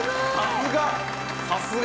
さすが。